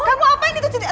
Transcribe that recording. kamu apaan gitu cynthia